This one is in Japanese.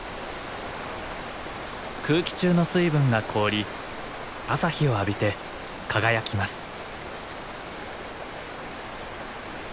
空気中の水分が凍り朝日を浴びて輝きます。